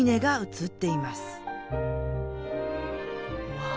うわ。